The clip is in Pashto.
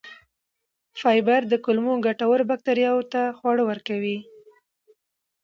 فایبر د کولمو ګټورو بکتریاوو ته خواړه ورکوي.